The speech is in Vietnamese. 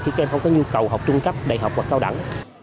khi các em không có nhu cầu học trung cấp đại học hoặc cao đẳng